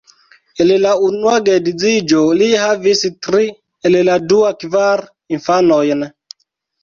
El la unua geedziĝo li havis tri, el la dua kvar infanojn.